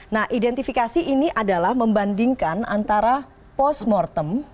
nah identifikasi ini adalah membandingkan antara postmortem